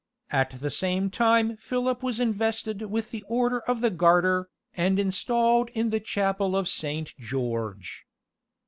At the same time Philip was invested with the Order of the Garter, and installed in the chapel of St. George.